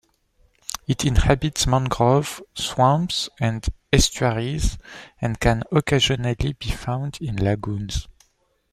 It inhabits mangrove swamps and estuaries and can occasionally be found in lagoons.